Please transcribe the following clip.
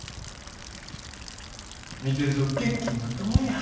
見てると元気になったもんや。